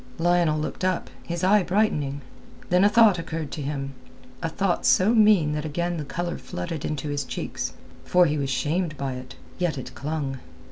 Lionel looked up, his eye brightening. Then a thought occurred to him; a thought so mean that again the colour flooded into his cheeks, for he was shamed by it. Yet it clung.